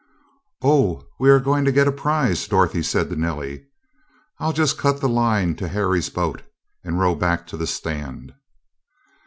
"Oh, we are going to get a prize," Dorothy said to Nellie. "I'll just cut the line to Harry's boat and row back to the stand."